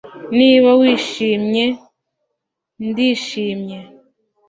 Niba wishimye ndishimye